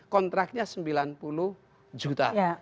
kontraknya sembilan puluh juta